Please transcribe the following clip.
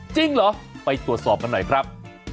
จริงเหรอไปตรวจสอบกันหน่อยครับ